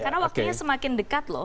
karena waktunya semakin dekat loh